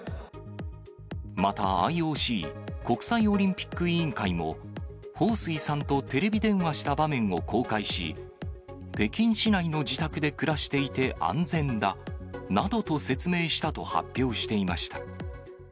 また、ＩＯＣ・国際オリンピック委員会も、彭帥さんとテレビ電話した場面を公開し、北京市内の自宅で暮らしていて安全だなどと説明したと発表していました。